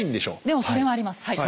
でもそれもありますはい。